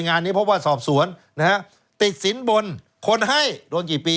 งานนี้เพราะว่าสอบสวนนะฮะติดสินบนคนให้โดนกี่ปี